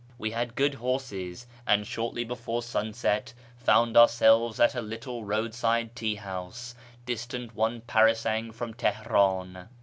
We had good horses, and shortly before sunset found ourselves at a little roadside tea house, distant one parasang from Tehenin.